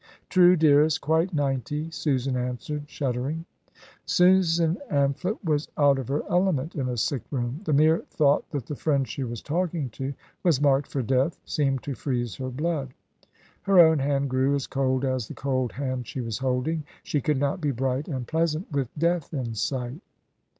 "True, dearest, quite ninety," Susan answered, shuddering. Susan Amphlett was out of her element in a sick room. The mere thought that the friend she was talking to was marked for death seemed to freeze her blood. Her own hand grew as cold as the cold hand she was holding. She could not be bright and pleasant with Death in sight.